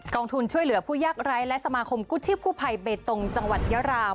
ทุนช่วยเหลือผู้ยากไร้และสมาคมกู้ชีพกู้ภัยเบตงจังหวัดยาราม